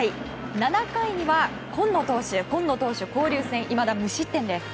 ７回には、今野投手は交流戦、いまだ無失点です。